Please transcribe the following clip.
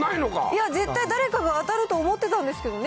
いや、絶対誰かが当たると思ってたんですけどね。